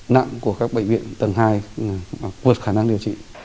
nặng của các bệnh viện tầng hai vượt khả năng điều trị